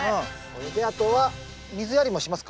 これであとは水やりもしますか？